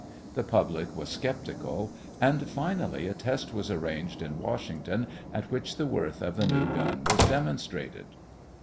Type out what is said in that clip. The public was skeptical and finally a test was arranged in Washington at which the worth of the new gun was demonstrated.